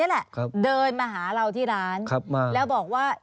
อ๋อดาบคนนั้นฝากมาบอกว่า